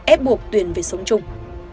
ê buộc tuyền về sống chung